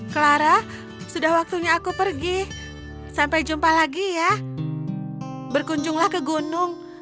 clara sudah waktunya aku pergi sampai jumpa lagi ya berkunjunglah ke gunung